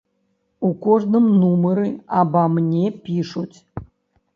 У кожным нумары аба мне пішуць.